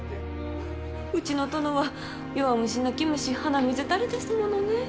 うちの殿は弱虫泣き虫鼻水垂れですものね。